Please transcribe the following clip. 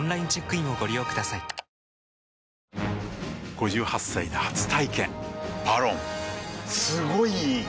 ５８歳で初体験「ＶＡＲＯＮ」すごい良い！